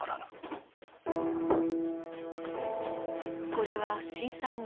これは震災後